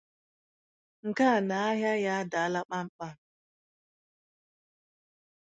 nke na ahịa ya adaala kpamkpam.